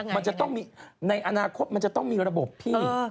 มันจะต้องมีในอนาคตมันจะต้องมีระบบพี่